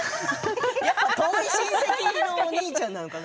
やっぱり遠い親戚のお兄ちゃんなのかな。